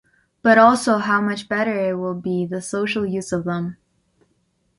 But also how much better it will be the social use of them.